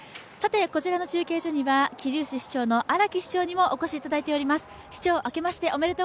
こちらの中継所には桐生市市長の荒木市長にもお越しいただいております。